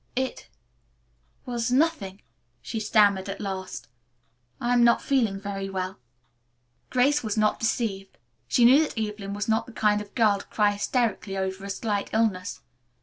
"It was nothing," she stammered, at last. "I am not feeling very well." Grace was not deceived. She knew that Evelyn was not the kind of girl to cry hysterically over a slight illness.